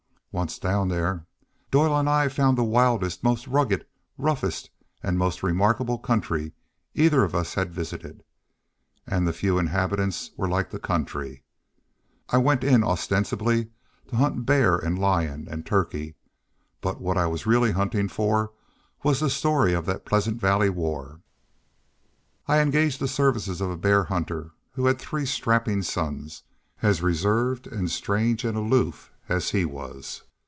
Once down there, Doyle and I found the wildest, most rugged, roughest, and most remarkable country either of us had visited; and the few inhabitants were like the country. I went in ostensibly to hunt bear and lion and turkey, but what I really was hunting for was the story of that Pleasant Valley War. I engaged the services of a bear hunter who had three strapping sons as reserved and strange and aloof as he was.